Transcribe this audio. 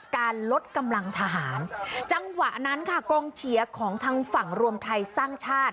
การลดกำลังทหารจังหวะนั้นค่ะกองเชียร์ของทางฝั่งรวมไทยสร้างชาติ